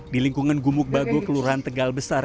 di lingkungan gumuk bago kelurahan tegal besar